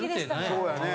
そうやね。